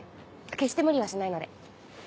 決して無理はしないので。